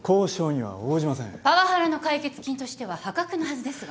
パワハラの解決金としては破格のはずですが。